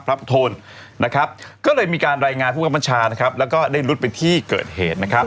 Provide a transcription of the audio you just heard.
โทนนะครับก็เลยมีการรายงานผู้กำบัญชานะครับแล้วก็ได้รุดไปที่เกิดเหตุนะครับ